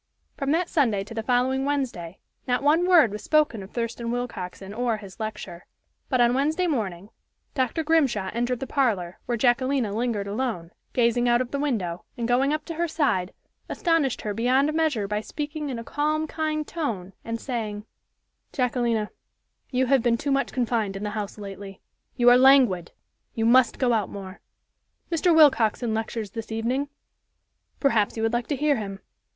From that Sunday to the following Wednesday, not one word was spoken of Thurston Willcoxen or his lecture. But on Wednesday morning Dr. Grimshaw entered the parlor, where Jacquelina lingered alone, gazing out of the window, and going up to her side, astonished her beyond measure by speaking in a calm, kind tone, and saying: "Jacquelina, you have been too much confined to the house lately. You are languid. You must go out more. Mr. Willcoxen lectures this evening. Perhaps you would like to hear him.